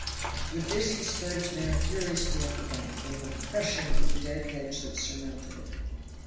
With this he spurred his mare furiously up the bank, and went crushing through the dead hedge that surmounted it.